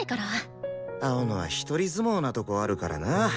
青野は独り相撲なとこあるからな。